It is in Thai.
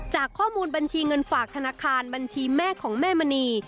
จากข้อมูลบัญชีเงินฝากธนาคารบัญชีแม่ของแม่มณี